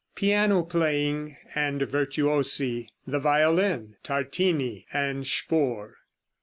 PIANO PLAYING AND VIRTUOSI; THE VIOLIN; TARTINI AND SPOHR.